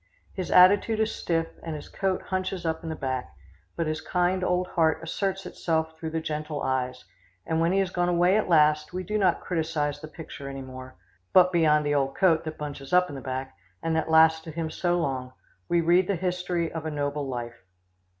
His attitude is stiff and his coat hunches up in the back, but his kind old heart asserts itself through the gentle eyes, and when he has gone away at last we do not criticise the picture any more, but beyond the old coat that hunches up in the back, and that lasted him so long, we read the history of a noble life.